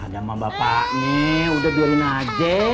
ada sama bapaknya udah biarin aja